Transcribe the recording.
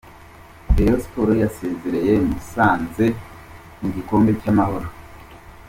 Rayon Sports yasezereye Musanze mu gikombe cy’ amahoro .